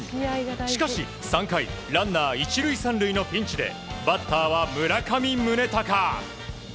しかし３回ランナー１塁３塁のピンチでバッターは村上宗隆。